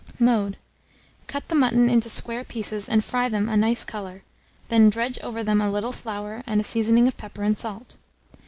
Mode. Cut the mutton into square pieces, and fry them a nice colour; then dredge over them a little flour and a seasoning of pepper and salt.